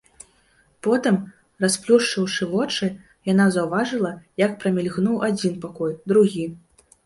Потым, расплюшчыўшы вочы, яна заўважыла, як прамільгнуў адзін пакой, другі.